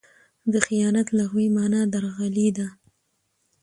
د خیانت لغوي مانا؛ درغلي ده.